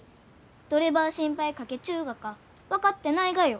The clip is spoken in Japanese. どればあ心配かけちゅうがか分かってないがよ。